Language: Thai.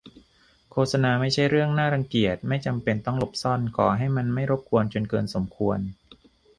โฆษณาไม่ใช่เรื่องน่ารังเกียจ ไม่จำเป็นต้องหลบซ่อน ขอให้มันไม่รบกวนจนเกินสมควร